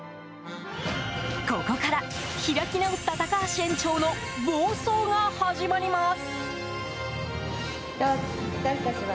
ここから、開き直った高橋園長の暴走が始まります。